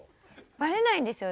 バレないんですよね。